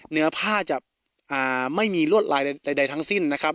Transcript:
เนื้อผ้าจะไม่มีลวดลายใดทั้งสิ้นนะครับ